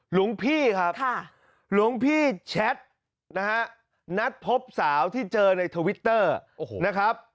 หลวงพี่ครับหลวงพี่แชทนะฮะนัดพบสาวที่เจอในทวิตเตอร์นะครับ